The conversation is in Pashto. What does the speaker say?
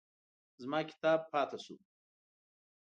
زما کتاب پاتې شو.